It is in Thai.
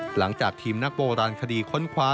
หลังจากทีมนักโบราณคดีค้นคว้า